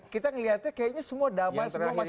kita melihatnya kayaknya semua damai semua masyarakat berpesta